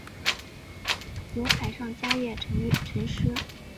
有海上嘉月尘诗。